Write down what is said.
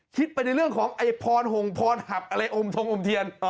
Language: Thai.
คิดไปในเรื่องของพรหงพรหับอมทองอมเทียน